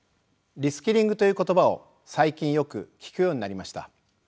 「リスキリング」という言葉を最近よく聞くようになりました。